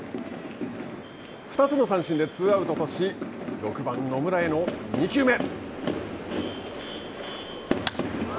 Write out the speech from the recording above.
２つの三振でツーアウトとし６番野村への２球目。